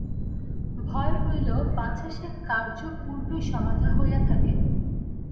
ভয় হইল, পাছে সে-কার্য পূর্বেই সমাধা হইয়া থাকে।